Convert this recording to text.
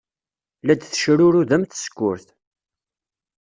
La d-tettecrurud am tsekkurt.